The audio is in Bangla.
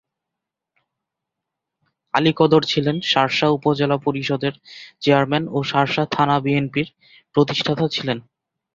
আলী কদর ছিলেন শার্শা উপজেলা পরিষদের চেয়ারম্যান ও শার্শা থানা বিএনপির প্রতিষ্ঠাতা ছিলেন।